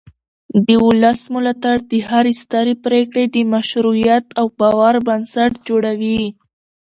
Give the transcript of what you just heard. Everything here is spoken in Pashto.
د ولس ملاتړ د هرې سترې پرېکړې د مشروعیت او باور بنسټ جوړوي